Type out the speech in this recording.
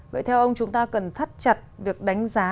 vậy theo ông chúng ta cần thắt chặt việc đánh giá